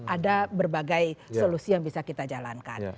ada berbagai solusi yang bisa kita jalankan